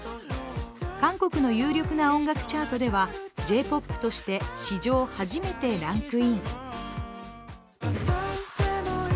韓国の有力な音楽チャートでは、Ｊ‐ＰＯＰとして史上初めてランクイン。